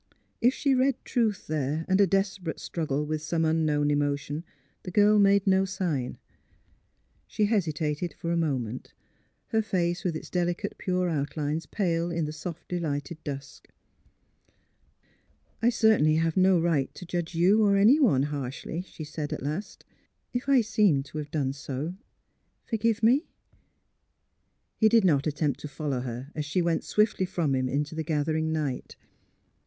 If she read truth there and a desperate struggle with some unknown emotion, the girl made no sigm She hesitated for a moment, her face with its delicate pure outlines pale in the softly lighted dusk. 168 THE HEAET OF PHILUEA '' I certainly have no right to judge you, or any one, harshly," she said, at last. " If I seem to have done so — forgive me. '' He did not attempt to follow her, as she went swiftly from him into the gathering night.